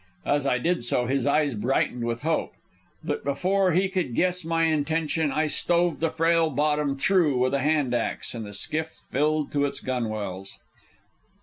As I did so his eyes brightened with hope; but before he could guess my intention, I stove the frail bottom through with a hand axe, and the skiff filled to its gunwales.